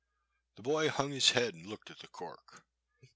The boy hung his head and looked at the cork.